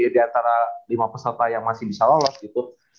diantara lima peserta yang masih bisa lolos gitu